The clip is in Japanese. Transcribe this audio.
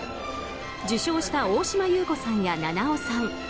受賞した大島優子さんや菜々緒さん